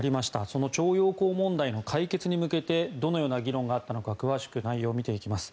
その徴用工問題の解決に向けてどのような議論があったのか詳しく内容を見ていきます。